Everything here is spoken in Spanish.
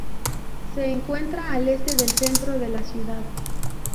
Se encuentra al este del centro de la ciudad.